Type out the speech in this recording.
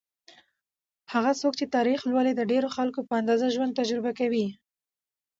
هغه څوک چې تاریخ لولي، د ډېرو خلکو په اندازه ژوند تجربه کوي.